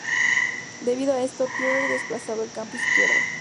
Debido a esto, Pierre desplazado al campo izquierdo.